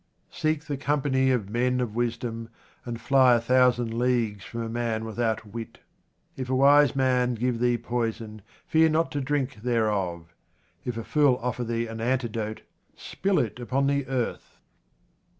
Seek the company of men of wisdom, and fly a thousand leagues from a man without wit. If a wise man give thee poison, fear not to drink thereof. If a fool offer thee an antidote, spill it upon the earth.